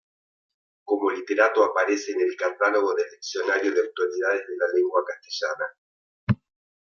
Como literato aparece en el Catálogo del Diccionario de Autoridades de la Lengua Castellana.